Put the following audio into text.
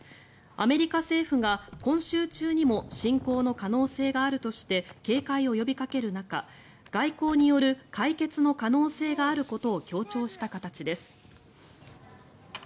アメリカ政府が今週中にも侵攻の可能性があるとして警戒を呼びかける中外交による解決の可能性があることを強調した形です。